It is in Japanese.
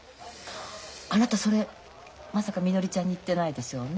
あなたそれまさかみのりちゃんに言ってないでしょうね。